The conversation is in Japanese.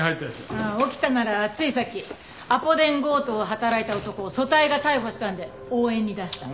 ああ沖田ならついさっきアポ電強盗を働いた男を組対が逮捕したんで応援に出した。